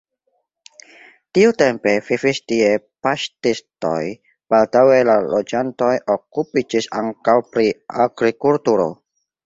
Tiutempe vivis tie paŝtistoj, baldaŭe la loĝantoj okupiĝis ankaŭ pri agrikulturo.